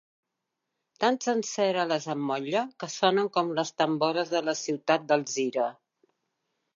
Tan senceres les amolle que sonen com les tambores de la ciutat d'Alzira.